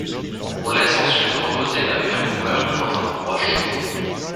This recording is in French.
On laisse ensuite reposer avec un couvercle dans un endroit chaud.